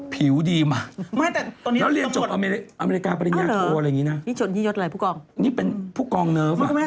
ผิวดีมากแล้วเรียนจบอเมริกาปริญญาโทรอะไรอย่างนี้นะนี่เป็นผู้กองเนิร์ฟอ่ะ